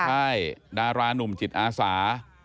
ใช่ดารานุ่มจิตอาสา